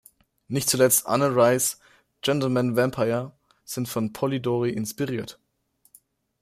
Nicht zuletzt Anne Rices Gentleman-Vampire sind von Polidori inspiriert.